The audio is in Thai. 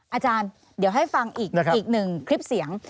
อาจารย์เดี๋ยวให้ฟังอีกหนึ่งคลิปเสียง